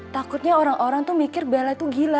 takutnya orang orang tuh mikir bella itu masih hidup kan